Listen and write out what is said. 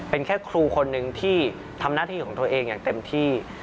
เป็นแค่ครูคนหนึ่งที่ทำหน้าที่ของตัวเองอย่างเต็มที่